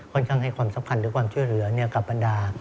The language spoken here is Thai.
ค่อนข้างให้ความสัมพันธ์และความเชื่อเหลือกับบรรดา